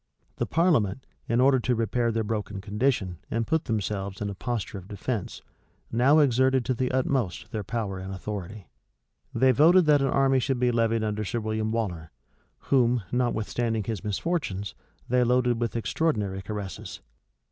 The parliament, in order to repair their broken condition, and put themselves in a posture of defence, now exerted to the utmost their power and authority. They voted that an army should be levied under Sir William Waller, whom, notwithstanding his misfortunes, they loaded with extraordinary caresses.